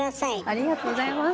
ありがとうございます。